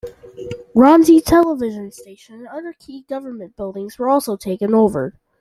Grozny television station and other key government buildings were also taken over.